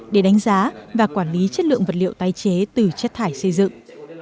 để đánh giá và quản lý chất lượng vật liệu tái chế từ chất thải xây dựng